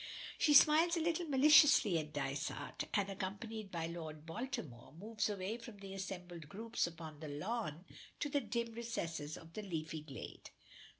She smiles a little maliciously at Dysart, and, accompanied by Lord Baltimore, moves away from the assembled groups upon the lawn to the dim recesses of the leafy glade.